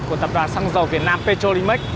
của tập đoàn săng dầu việt nam petrolimed